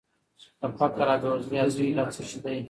د فقر او بېوزلۍ اصلي علت څه شی دی؟